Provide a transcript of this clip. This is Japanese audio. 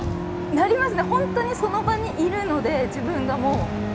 なりますね、本当にその場でいるので、自分がもう。